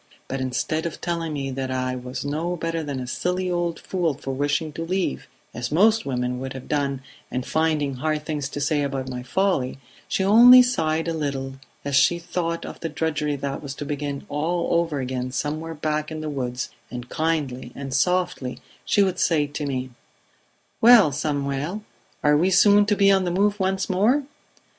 But instead of telling me that I was no better than a silly old fool for wishing to leave as most women would have done and finding hard things to say about my folly, she only sighed a little as she thought of the drudgery that was to begin all over again somewhere back in the woods, and kindly and softly she would say to me: 'Well, Samuel! Are we soon to be on the move once more?'